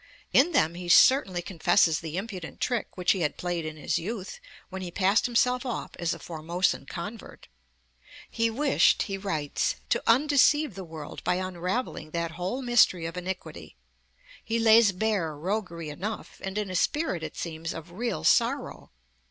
In them he certainly confesses the impudent trick which he had played in his youth, when he passed himself off as a Formosan convert. He wished, he writes, 'to undeceive the world by unravelling that whole mystery of iniquity' (p. 5). He lays bare roguery enough, and in a spirit, it seems, of real sorrow.